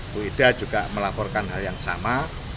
bu ida juga melaporkan hal yang sama